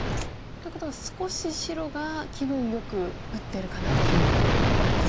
ということは少し白が気分よく打ってるかなというところなんですか？